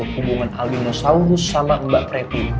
hubungan alvin osamu sama mbak preppy